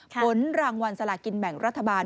ผลรางวัลสลากินแบ่งรัฐบาล